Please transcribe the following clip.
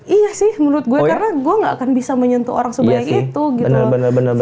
iya sih menurut gue karena gue gak akan bisa menyentuh orang sebanyak itu gitu loh